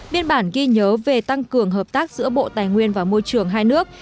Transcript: biên bản ghi nhớ về tăng cường hợp tác giữa bộ tài nguyên và môi trường hai nước